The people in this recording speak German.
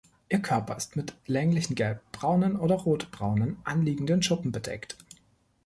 Ihr Körper ist mit länglichen, gelbbraunen oder rotbraunen, anliegenden Schuppen bedeckt.